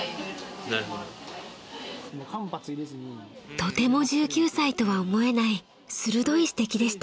［とても１９歳とは思えない鋭い指摘でした］